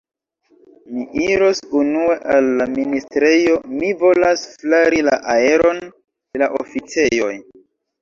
Mi iros unue al la ministrejo; mi volas flari la aeron de la oficejoj.